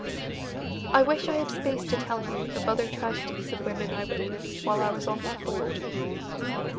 I wish I had space to tell you of other tragedies of women I witnessed while I was on that board.